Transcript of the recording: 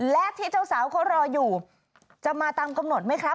และที่เจ้าสาวเขารออยู่จะมาตามกำหนดไหมครับ